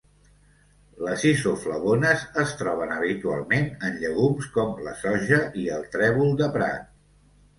Les isoflavones es troben habitualment en llegums com la soja i el trèvol de prat.